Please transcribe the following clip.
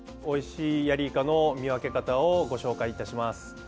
おいしいヤリイカの見分け方をご紹介いたします。